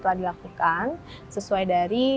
telah dilakukan sesuai dari